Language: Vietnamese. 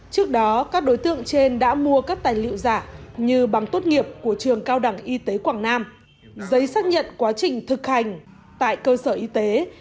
trước đó các đối tượng trên đã mua các tài liệu giả như bằng tốt nghiệp của trường cao đẳng y tế quảng nam giấy xác nhận quá trình thực hành tại cơ sở y tế